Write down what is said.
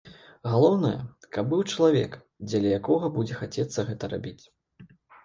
Галоўнае, каб быў чалавек, дзеля якога будзе хацецца гэта рабіць.